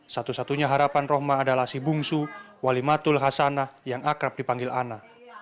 satu satunya harapan rohma adalah si bungsu walimatul hasanah yang akrab dipanggil ana